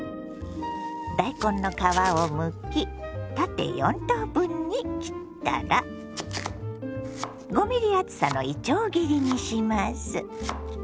大根の皮をむき縦４等分に切ったら５ｍｍ厚さのいちょう切りにします。